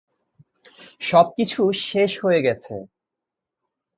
সবকিছু শেষ হয়ে গেছে।